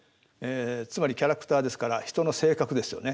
つまりキャラクターですから人の性格ですよね。